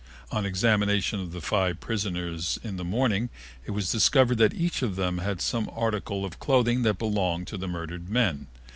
On examination of the five prisoners in the morning it was discovered that each of them had some article of clothing that belonged to the murdered men.